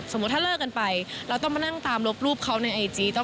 ถ้าเลิกกันไปเราต้องมานั่งตามลบรูปเขาในไอจี